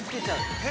◆えっ？